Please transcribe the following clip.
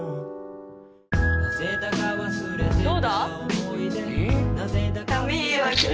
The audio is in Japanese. どうだ？